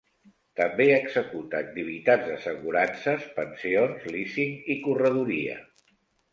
També executa activitats d'assegurances, pensions, leasing, i corredoria.